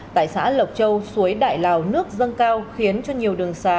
tại xã lộc châu suối đại lào nước dâng cao khiến cho nhiều đường xá